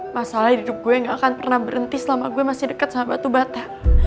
masalah hidup gue gak akan pernah berhenti selama gue masih dekat sama batu bata